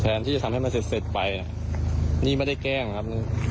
ที่จะทำให้มันเสร็จไปนี่ไม่ได้แกล้งครับ